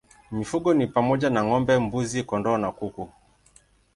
Mifugo ni pamoja na ng'ombe, mbuzi, kondoo na kuku.